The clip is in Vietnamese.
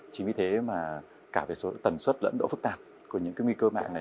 chính vì thế mà cả về số tần suất lẫn độ phức tạp của những nguy cơ mạng này